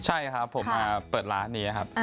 ใช่ครับผมมาเปิดร้านนี้ครับ